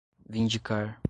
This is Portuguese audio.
vindicar